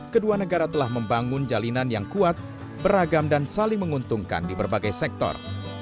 seribu sembilan ratus empat puluh sembilan kedua negara telah membangun jalinan yang kuat beragam dan saling menguntungkan di berbagai sektor